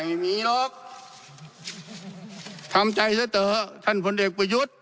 ไม่มีหรอกทำใจเสียเต๋อท่านผลเด็กประโยชน์